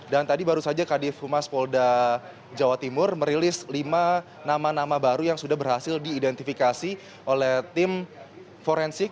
dan tadi baru saja kadif humas polda jawa timur merilis lima nama nama baru yang sudah berhasil diidentifikasi oleh tim forensik